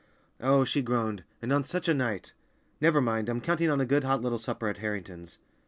"Oh," she groaned, "and on such a night!" "Never mind, I'm counting on a good hot little supper at Harrington's.